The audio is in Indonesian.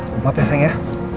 maaf ya sayang ya